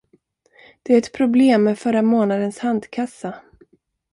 Det är ett problem med förra månadens handkassa.